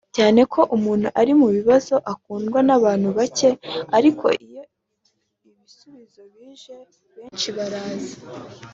cyane ko umuntu ari mu bibazo akundwa n’ abantu bake ariko iyo ibisubizo bije benshi baraza